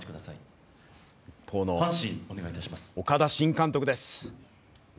一方の岡田新監督です。